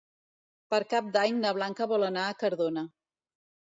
Per Cap d'Any na Blanca vol anar a Cardona.